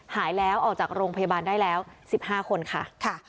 หายแล้วออกจากโรงพยาบาลได้แล้ว๑๕คนค่ะ